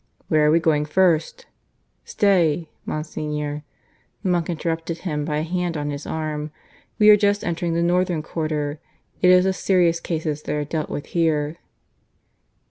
"Where are we going first " "Stay, Monsignor" (the monk interrupted him by a hand on his arm). "We are just entering the northern quarter. It is the serious cases that are dealt with here."